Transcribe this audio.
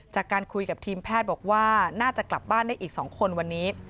จากการคุยกับทีมแพทย์บอกว่าน่าจะกลับบ้านได้อีก๒คนวันนี้